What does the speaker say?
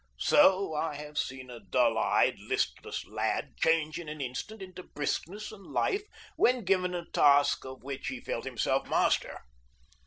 So I have seen a dull eyed, listless lad change in an instant into briskness and life when given a task of which he felt himself master.